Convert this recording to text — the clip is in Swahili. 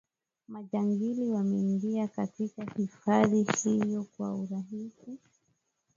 majangili wanaingia katika hifadhi hiyo kwa urahisi